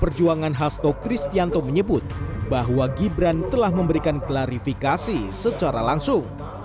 perjuangan hasto kristianto menyebut bahwa gibran telah memberikan klarifikasi secara langsung